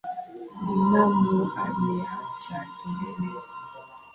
Binamu ameacha kelele.